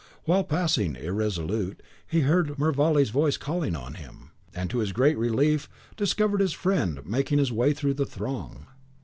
While pausing irresolute, he heard Mervale's voice calling on him, and, to his great relief, discovered his friend making his way through the throng.